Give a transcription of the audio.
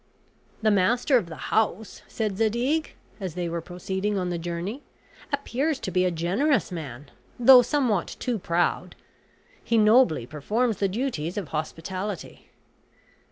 "The master of the house," said Zadig, as they were proceeding on the journey, "appears to be a generous man, though somewhat too proud; he nobly performs the duties of hospitality."